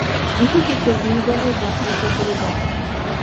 বিশেষত বিলবনের কথায় সকলে বশ।